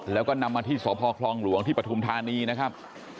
แล้วก็นำมาที่สพคลองหลวงที่ปฐุมธานีนะครับ